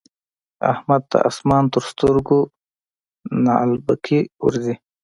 احمد ته اسمان تر سترګو نعلبکی ورځي.